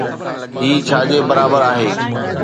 هي ڇا جي برابر آهي؟